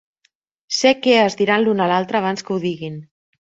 Sé què es diran l'un a l'altre abans que ho diguin.